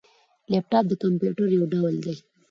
لیپټاپ د کمپيوټر یو ډول دی